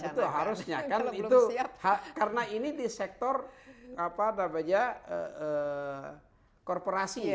ya betul harusnya karena ini di sektor korporasi